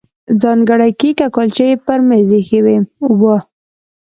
ځانګړي کیک او کولچې یې پر مېز ایښي وو.